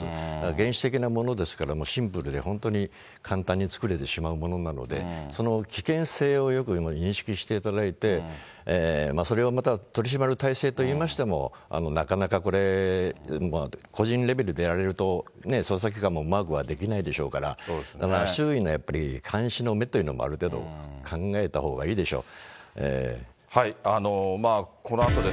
原始的なものですから、シンプルで本当に簡単に作れてしまうものなので、その危険性をよく認識していただいて、それをまた取り締まる態勢といいましても、なかなかこれ、個人レベルでやられると捜査機関もマークはできないでしょうから、周囲のやっぱり監視の目というのも、ある程度考えたほうがいいでしょう。